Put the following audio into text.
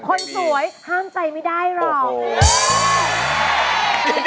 คนสวยห้ามใส่ไม่ได้เรา